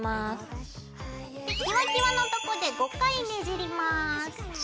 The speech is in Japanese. でキワキワのとこで５回ねじります。